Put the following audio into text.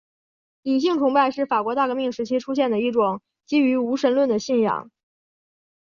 理性崇拜是法国大革命时期出现的一种基于无神论的信仰。